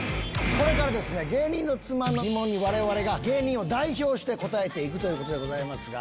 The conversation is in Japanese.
これから芸人の妻の疑問に我々が芸人を代表して答えていくということでございます。